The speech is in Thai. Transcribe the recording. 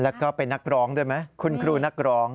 แล้วก็เป็นนักร้องด้วยไหมคุณครูนักร้อง